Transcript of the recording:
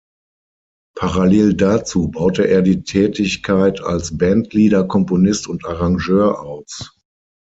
Parallel dazu baute er die Tätigkeit als Bandleader, Komponist und Arrangeur aus.